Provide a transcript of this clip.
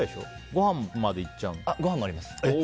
ごはんまでいっちゃうの？